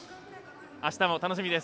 あしたも楽しみです。